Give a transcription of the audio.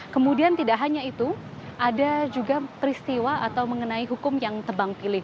kemudian tidak hanya itu ada juga peristiwa atau mengenai hukum yang tebang pilih